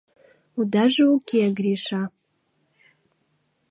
— Удаже уке, Гриша...